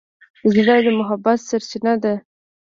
زړه د محبت سرچینه ده.